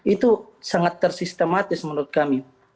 itu sangat tersistematis menurut kami